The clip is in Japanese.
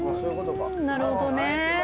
なるほどね。